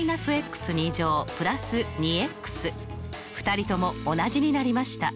２人とも同じになりました。